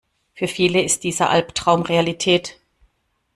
Für viele ist dieser Albtraum Realität.